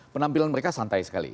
penampilan mereka santai sekali